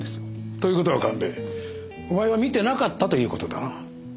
という事は神戸お前は見てなかったという事だな。